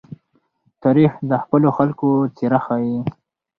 تاریخ د خپلو خلکو څېره ښيي.